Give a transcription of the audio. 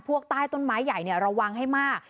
ใต้ต้นไม้ใหญ่ระวังให้มาก